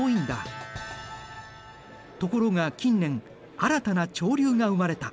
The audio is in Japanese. ところが近年新たな潮流が生まれた。